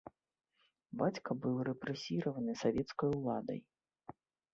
Бацька быў рэпрэсіраваны савецкай уладай.